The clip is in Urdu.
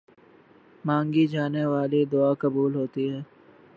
مانگی جانے والی دعا قبول ہوتی ہے۔